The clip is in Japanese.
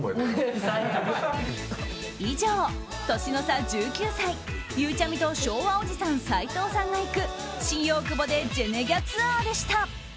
以上、年の差１９歳ゆうちゃみと昭和おじさん、斉藤さんが行く新大久保でジェネギャツアーでした。